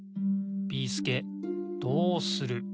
ビーすけどうする！？